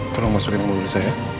tolong masukin rumah dulu saya ya